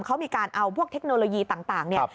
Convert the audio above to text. เขามีการเอาพวกเทคโนโลยีต่างเนี่ย